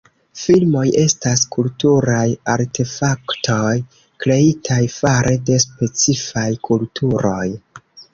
Filmoj estas kulturaj artefaktoj kreitaj fare de specifaj kulturoj.